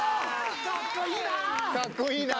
かっこいいな！